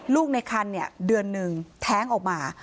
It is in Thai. ลูกในคันเนี่ยเดือนหนึ่งแท้งออกมา